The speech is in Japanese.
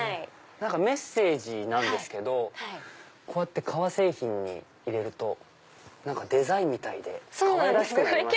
メッセージなんですけどこうやって革製品に入れるとデザインみたいでかわいらしくなりますよね。